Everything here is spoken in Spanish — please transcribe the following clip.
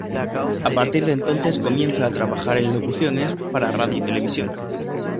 A partir de entonces comienza a trabajar en locuciones para radio y televisión.